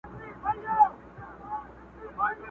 د خان خبره وه د خلکو او د کلي سلا!.